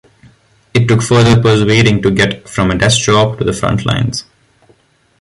It took further persuading to get from a desk job to the front lines.